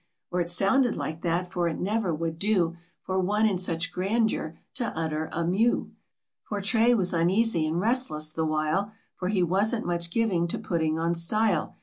Or it sounded like that, for it never would do Por one in such grandeur to utter a Miew. But Tray was uneasy and restless the while, For he wasn't much giving to putting on style.